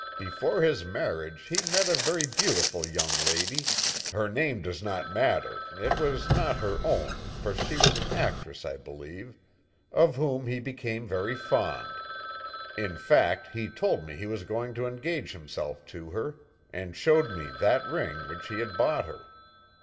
Before his marriage he met a very beautiful young lady her name does not matter, it was not her own, for she was an actress, I believe of whom he became very fond. In fact, he told me he was going to engage himself to her, and showed me that ring which he had bought her.